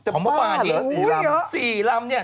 เกือบบ้าเหรอสี่ลำอ๋อเยอะสี่ลำนี่นะฮะ